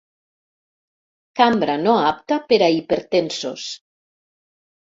Cambra no apta per a hipertensos.